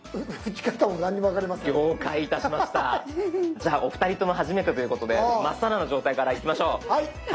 じゃあお二人とも初めてということで真っさらの状態からいきましょう。